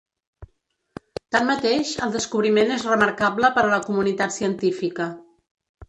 Tanmateix, el descobriment és remarcable per a la comunitat científica.